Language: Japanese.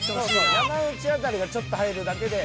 山内辺りがちょっと入るだけで。